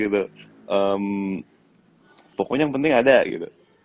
pokoknya yang penting ada gitu